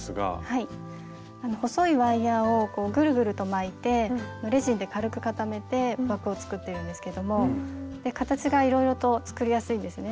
細いワイヤーをぐるぐると巻いてレジンで軽く固めて枠を作ってるんですけども形がいろいろと作りやすいんですねなので。